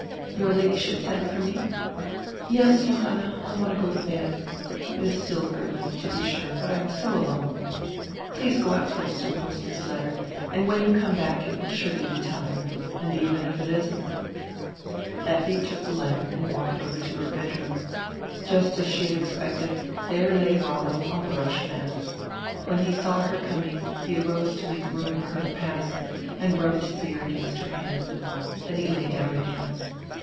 "Your Ladyship sent for me." "Yes, Johanna; I want to go to bed. It is still early, to be sure, but I am so alone. Please go out first and post diis letter, and when you come back it will surely be time. And even if it isn't." Effi took die lamp and walked over to her bedroom. Just as she had expected, there lay Rollo on die rush mat. When he saw her coming he arose to make room for her to pass, and rubbed his ear against her hand. Then he lay down again.